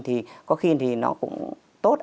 thì có khi nó cũng tốt